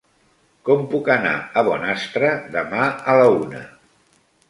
Com puc anar a Bonastre demà a la una?